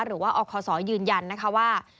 หรือว่าออกข้อสอยืนยันนะคะว่า